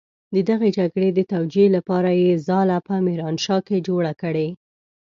د دغې جګړې د توجيې لپاره يې ځاله په ميرانشاه کې جوړه کړې.